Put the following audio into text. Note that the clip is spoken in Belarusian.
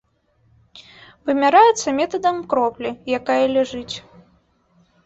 Вымяраецца метадам кроплі, якая ляжыць.